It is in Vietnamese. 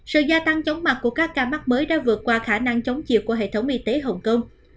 sự gia tăng chống mặt của các ca mắc mới đã vượt qua khả năng chống chịu của hệ thống y tế hồng kông